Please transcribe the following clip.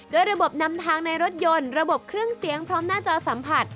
โดยระบบนำทางในรถยนต์ระบบเครื่องเสียงพร้อมหน้าจอสัมผัส